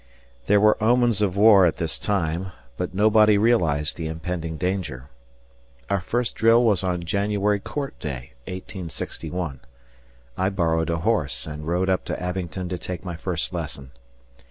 There were omens of war at this time, but nobody realized the impending danger. Our first drill was on January Court Day, 1861. I borrowed a horse and rode up to Abingdon to take my first lesson.